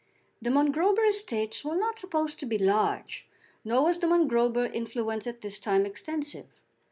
The Mongrober estates were not supposed to be large, nor was the Mongrober influence at this time extensive.